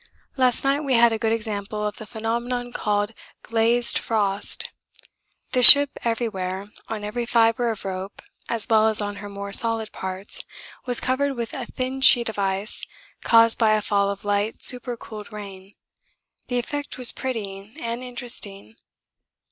Last night we had a good example of the phenomenon called 'Glazed Frost.' The ship everywhere, on every fibre of rope as well as on her more solid parts, was covered with a thin sheet of ice caused by a fall of light super cooled rain. The effect was pretty and interesting.